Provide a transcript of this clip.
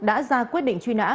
đã ra quyết định truy nã